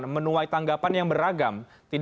menuai tanggapan yang beragam